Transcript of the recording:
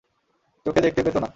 চোখে দেখতে পেত না।